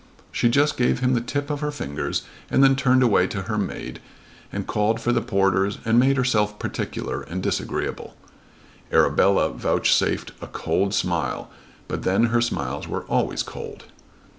She just gave him the tip of her fingers and then turned away to her maid and called for the porters and made herself particular and disagreeable. Arabella vouchsafed a cold smile, but then her smiles were always cold.